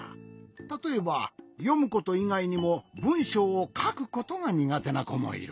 たとえばよむこといがいにもぶんしょうをかくことがにがてなこもいる。